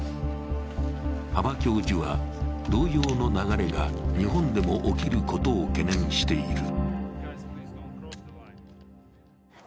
羽場教授は同様の流れが日本でも起きることを懸念している。